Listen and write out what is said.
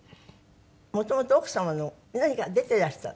元々奥様の何か出ていらしたって？